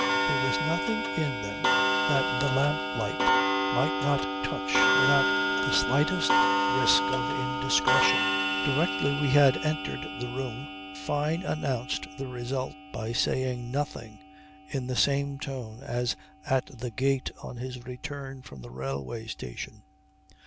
There was nothing in them that the lamplight might not touch without the slightest risk of indiscretion. Directly we had entered the room Fyne announced the result by saying "Nothing" in the same tone as at the gate on his return from the railway station.